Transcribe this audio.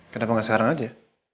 kenapa gak sekarang aja